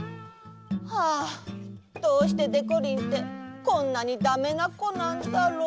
はあどうしてでこりんってこんなにダメなこなんだろう。